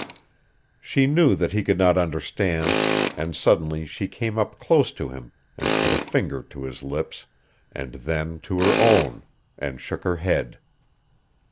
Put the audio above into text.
She knew that he could not understand, and suddenly she came up close to him and put a finger to his lips, and then to her own, and shook her head.